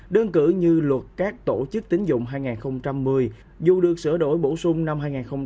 đơn cử như luật các tổ chức tính dụng hai nghìn một mươi dù được sửa đổi bổ sung năm hai nghìn một mươi bảy